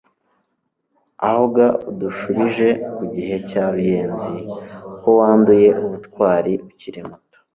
Aho ga udushubije ku gihe cya Ruyenzi*.Ko wanduye ubutwari ukiri muto,